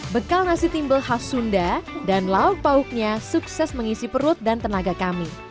bekal nasi timbel khas sunda dan lauk pauknya sukses mengisi perut dan tenaga kami